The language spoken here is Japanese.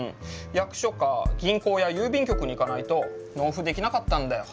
役所か銀行や郵便局に行かないと納付できなかったんだよ。